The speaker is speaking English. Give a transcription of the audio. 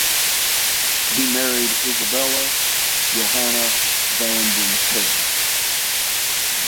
He married Isabella Johanna van den Perre.